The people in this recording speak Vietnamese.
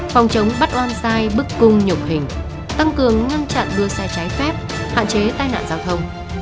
phòng chống bắt loan sai bức cung nhục hình tăng cường ngăn chặn đưa xe trái phép hạn chế tai nạn giao thông